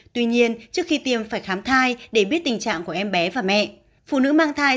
tuy nhiên trước khi tiêm phải khám thai để biết tình trạng của em bé và mẹ phụ nữ mang thai